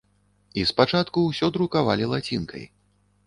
І спачатку ўсё друкавалі лацінкай.